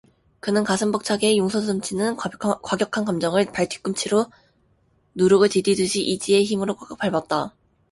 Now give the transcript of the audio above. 그는 가슴 벅차게 용솟음치는 과격한 감정을 발뒤꿈치로 누룩을 디디듯이 이지의 힘으로 꽉꽉 밟았다.